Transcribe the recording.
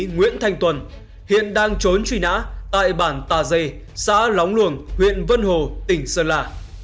nguyễn thanh tuần hiện đang trốn truy nã tại bản tà dê xã lóng luồng huyện vân hồ tỉnh sơn la